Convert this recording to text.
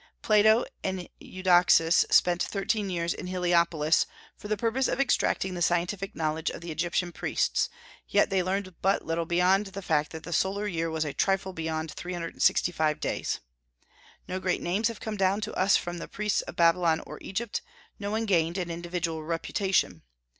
Plato and Eudoxus spent thirteen years in Heliopolis for the purpose of extracting the scientific knowledge of the Egyptian priests, yet they learned but little beyond the fact that the solar year was a trifle beyond three hundred and sixty five days. No great names have come down to us from the priests of Babylon or Egypt; no one gained an individual reputation.